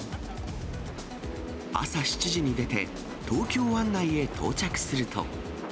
朝７時に出て、東京湾内へ到着すると。